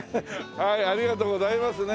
はいありがとうございますね。